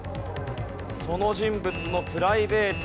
その人物のプライベート。